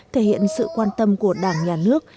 thể hiện sự quan tâm của đảng nhà nước